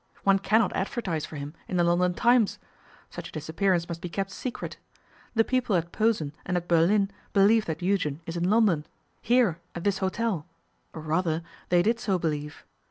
One cannot advertise for him in the London Times. Such a disappearance must be kept secret. The people at Posen and at Berlin believe that Eugen is in London, here, at this hotel; or, rather, they did so believe.